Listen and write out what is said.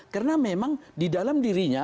karena memang di dalam dirinya